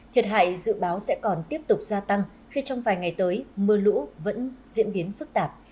thiệt hại dự báo sẽ còn tiếp tục gia tăng khi trong vài ngày tới mưa lũ vẫn diễn biến phức tạp